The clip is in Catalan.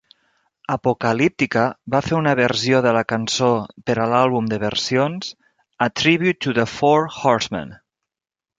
Apocalyptica va fer una versió de la cançó per a l'àlbum de versions "A Tribute to the Four Horsemen".